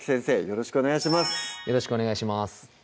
よろしくお願いします